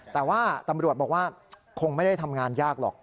แต่ว่าตำรวจบอกว่าคงไม่ได้ทำงานยากหรอก